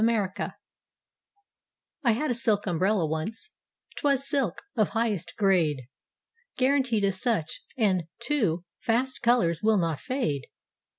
UMBRELLA I had a silk umbrella once—'twas silk, of highest grade. Guaranteed as such, and, too, "Fast Colors, will not fade."